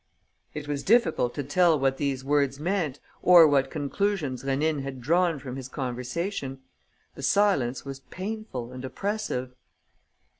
It was difficult to tell what these words meant or what conclusions Rénine had drawn from his conversation. The silence was painful and oppressive.